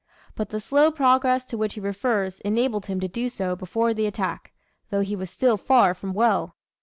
But the slow progress to which he refers, enabled him to do so before the attack though he was still far from well.